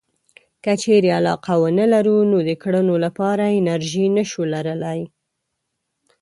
که چېرې علاقه ونه لرو نو د کړنو لپاره انرژي نشو لرلای.